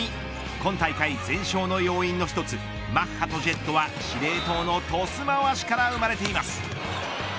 今大会全勝の要因の１つマッハとジェットは司令塔のトス回しから生まれています。